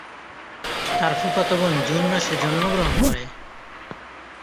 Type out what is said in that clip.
তার ফুফাতো বোন জুন মাসে জন্মগ্রহণ করে।